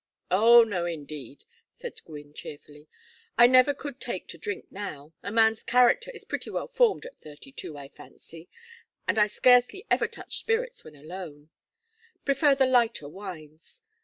"Oh no, indeed!" said Gwynne, cheerfully. "I never could take to drink now a man's character is pretty well formed at thirty two, I fancy, and I scarcely ever touch spirits when alone prefer the lighter wines.